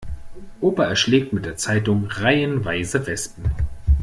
Opa erschlägt mit der Zeitung reihenweise Wespen.